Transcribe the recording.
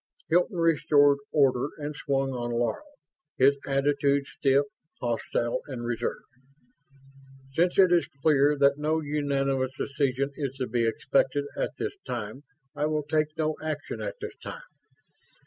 Hilton restored order and swung on Laro, his attitude stiff, hostile and reserved. "Since it is clear that no unanimous decision is to be expected at this time I will take no action at this time.